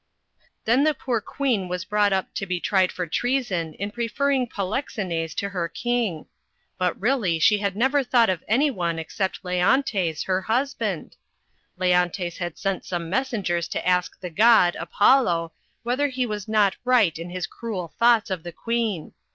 Then the poor Queen was brought up to be tried for treason in preferring Polixenes to her King ; but really she had never thought of anyone except Leontes, her husband. Leontes had sent some mes sengers to ask the god, Apollo, whether he was not right in his cruel thoughts of the Queen.